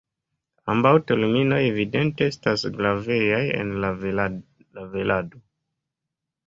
Ambaŭ terminoj evidente estas gravegaj en la velado.